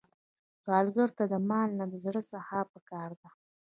سوالګر ته د مال نه، د زړه سخا پکار ده